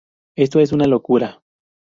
Esto es una locura.